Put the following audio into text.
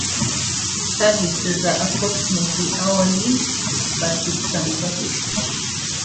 Services are approximately hourly but with some gaps.